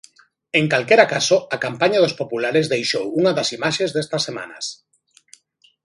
En calquera caso, a campaña dos populares deixou unha das imaxes destas semanas.